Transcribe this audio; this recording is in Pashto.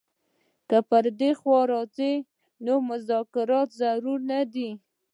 که پر دې خوا راځي نو مذاکرات ضرور نه دي.